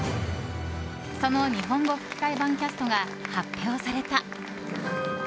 その日本語吹き替え版キャストが発表された。